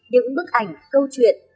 những bức ảnh câu chuyện